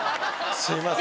すみません。